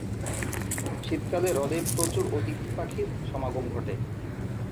শীতকালে হ্রদে প্রচুর অতিথি পাখির সমাগম ঘটে।